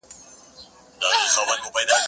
زه به اوږده موده کتابتون ته تللی وم!؟